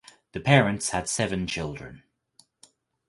The parents had seven children.